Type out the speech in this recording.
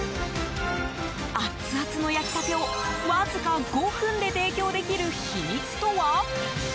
熱々の焼きたてを、わずか５分で提供できる秘密とは？